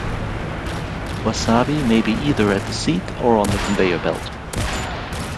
Wasabi may be either at the seat or on the conveyor belt.